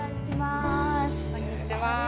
こんにちは。